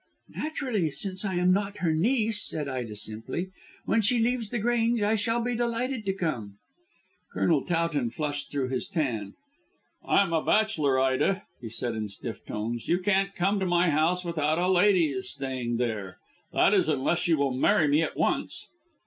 "Naturally, since I am not her niece," said Ida simply. "When she leaves The Grange I shall be delighted to come." Colonel Towton flushed through his tan. "I am a bachelor, Ida," he said in stiff tones. "You can't come to my house without a lady is staying there. That is unless you will marry me at once."